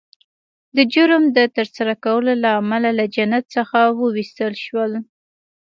د جرم د ترسره کولو له امله له جنت څخه وایستل شول